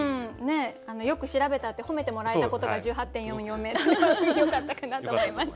よく調べたって褒めてもらえたことが「１８．４４メートル」よかったかなと思います。